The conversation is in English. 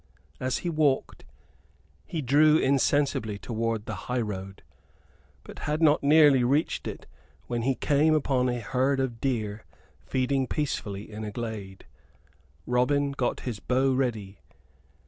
As he walked, he drew insensibly toward the highroad; but had not nearly reached it when he came upon a herd of deer feeding peacefully in a glade. Robin got his bow ready.